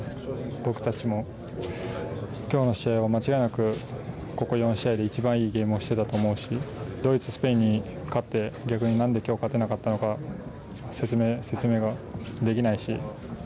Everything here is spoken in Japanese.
僕たちも今日の試合は間違いなくここ４試合で一番いいゲームをしていたと思うしドイツ、スペインに勝って逆に何で今日、勝てなかったのか説明ができないし。